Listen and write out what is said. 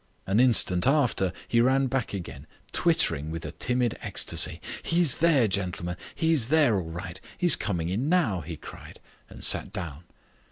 An instant after he ran back again, twittering with a timid ecstasy. "He's there, gentlemen he's there all right he's coming in now," he cried, and sat down.